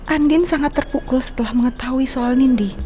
andin sangat terpukul setelah mengetahui soal nindi